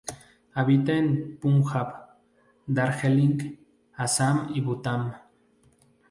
Habita en Punjab, Darjeeling, Assam y Bután.